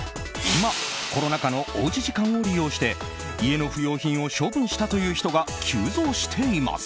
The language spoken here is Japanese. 今、コロナ禍のおうち時間を利用して家の不要品を処分したという人が急増しています。